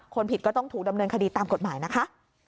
ผิดก็ต้องถูกดำเนินคดีตามกฎหมายนะคะ